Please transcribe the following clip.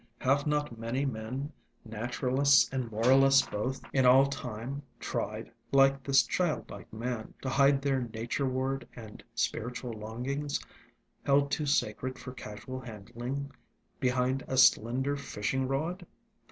Have not many men, naturalists and moralists both, in all time, tried, like this childlike man, to hide their nature ward and spiritual longings, held too sacred for casual handling, behind a slender fishing rod